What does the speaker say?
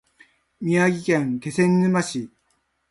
宮城県気仙沼市